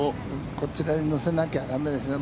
こちらに乗せなきゃだめですね。